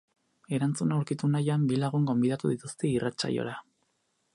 Erantzuna aurkitu nahian, bi lagun gonbidatu dituzte irratsaiora.